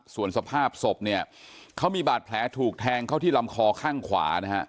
ส่วนสภาพศพเนี่ยเขามีบาดแผลถูกแทงเข้าที่ลำคอข้างขวานะฮะ